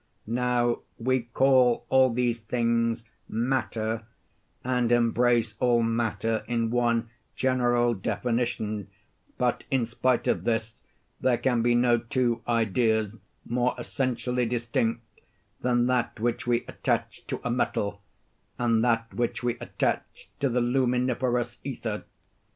Now we call all these things matter, and embrace all matter in one general definition; but in spite of this, there can be no two ideas more essentially distinct than that which we attach to a metal, and that which we attach to the luminiferous ether.